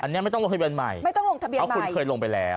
อันนี้ไม่ต้องลงทะเบียนใหม่เอาคุณเคยลงไปแล้ว